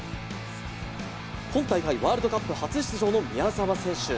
今大会ワールドカップ初出場の宮澤選手。